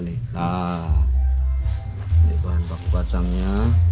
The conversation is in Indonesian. ini bahan baku kacangnya